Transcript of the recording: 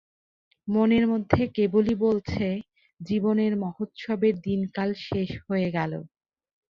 মনের মধ্যে কেবলই বলছে, জীবনের মহোৎসবের দিন কাল শেষ হয়ে গেল।